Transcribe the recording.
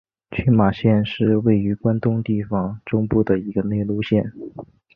群马县是位于关东地方中部的一个内陆县。